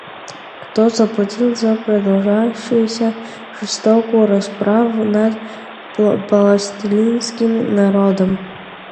Кто заплатит за продолжающуюся жестокую расправу над палестинским народом?